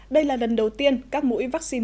đây là lần đầu tiên các mũi vaccine